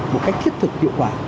một cách thiết thực hiệu quả